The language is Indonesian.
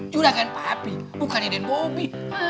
juragan papi bukannya denbobi